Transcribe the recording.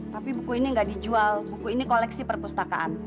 tapi buku ini gak dijual buku ini koleksi perpustakaan